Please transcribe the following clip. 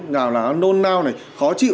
nào là nôn nao này khó chịu